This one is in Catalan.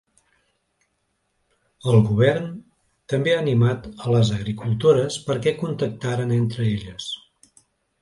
El govern també ha animat a les agricultores perquè contactaren entre elles.